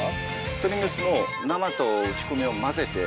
ストリングスも生と打ち込みを混ぜて。